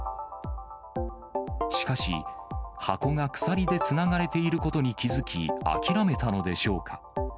しかし、箱が鎖でつながれていることに気付き、諦めたのでしょうか。